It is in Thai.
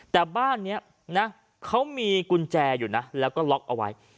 แต่บ้านนี้นะเขามีกุญแจอยู่นะแล้วก็ล็อกเอาไว้